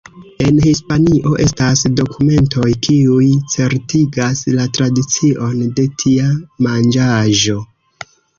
En Hispanio estas dokumentoj kiuj certigas la tradicion de tia manĝaĵo.